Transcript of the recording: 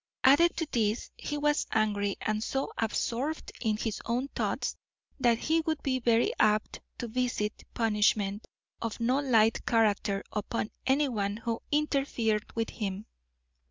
Added to this, he was angry and so absorbed in his own thoughts that he would be very apt to visit punishment of no light character upon anyone who interfered with him.